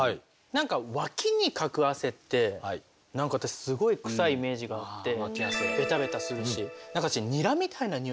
何かワキにかく汗って私すごい臭いイメージがあってベタベタするし。